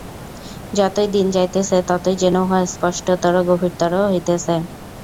যতই দিন যাইতেছে, ততই যেন উহা স্পষ্টতর, গভীরতর হইতেছে।